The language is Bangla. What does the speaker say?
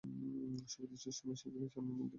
শুভদৃষ্টির সময় সে কি স্বামীর মুখ দেখেছে?